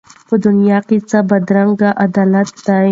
په دنیا کي څه بدرنګه عدالت دی